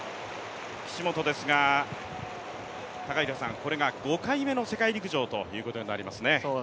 岸本ですがこれが５回目の世界陸上ということになりますね。